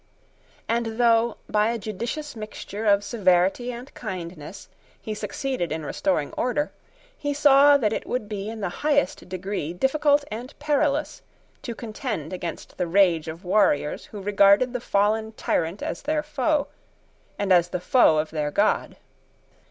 And though, by a judicious mixture of severity and kindness, he succeeded in restoring order, he saw that it would be in the highest degree difficult and perilous to contend against the rage of warriors, who regarded the fallen tyrant as their foe, and as the foe of their God.